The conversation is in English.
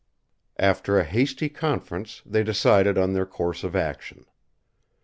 After a hasty conference they decided on their course of action.